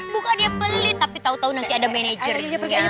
bukan dia pelit tapi tau tau nanti ada manajernya